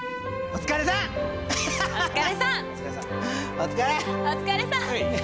お疲れさん！